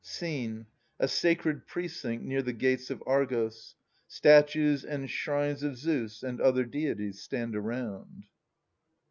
Scene :— A sacred precinct near the gates of Argos : statues and shrines of Zeus and other deities stand around.